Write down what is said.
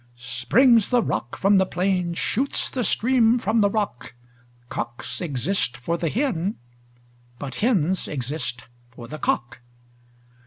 Springs the rock from the plain, shoots the stream from the rock: Cocks exist for the hen: but hens exist for the cock.